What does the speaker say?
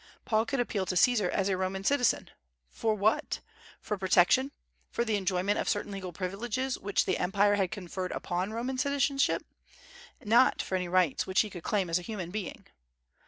Paul could appeal to Caesar as a Roman citizen. For what? For protection, for the enjoyment of certain legal privileges which the Empire had conferred upon Roman citizenship, not for any rights which he could claim as a human being.